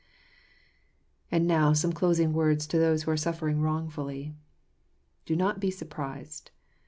And now some closing words to those who are suffering wrongfully . Do not be surprised.